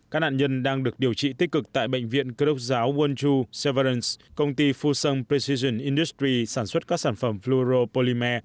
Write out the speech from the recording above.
các nạn nhân đang được điều trị tích cực tại bệnh viện cơ đốc giáo wonju severance công ty fusun precision industries sản xuất các sản phẩm fluoropolymer